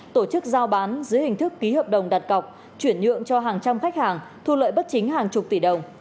tổ chức giao bán dưới hình thức ký hợp đồng đặt cọc chuyển nhượng cho hàng trăm khách hàng thu lợi bất chính hàng chục tỷ đồng